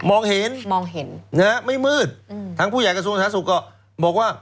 มองเห็นมองเห็นไม่มืดทั้งผู้ใหญ่กระทรวงศาสุบอก็บอกว่า